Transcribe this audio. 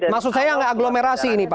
maksud saya agak agglomerasi ini pak